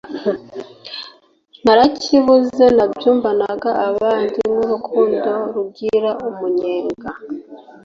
narakibuze nabyumvanaga abandi ngurukundo rugira umunyenga